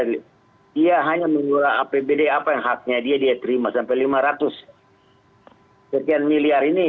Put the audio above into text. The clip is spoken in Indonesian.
dia hanya mengeluarkan apbd apa yang haknya dia dia terima sampai lima ratus sekian miliar ini